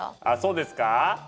あっそうですか？